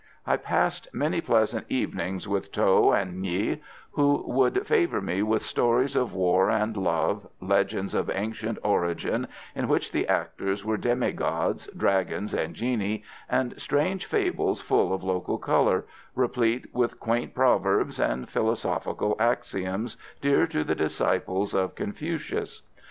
I passed many pleasant evenings with Tho and Nghi, who would favour me with stories of war and love, legends of ancient origin, in which the actors were demi gods, dragons and genii, and strange fables full of local colour, replete with quaint proverbs and philosophical axioms dear to the disciples of Confucius.